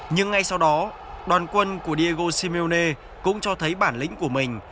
nhưng ngay sau đó đoàn quân của diego simeone cũng cho thấy bản lĩnh của mình